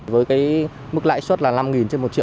với cái mức lãi suất là năm trên một triệu